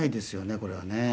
これはね。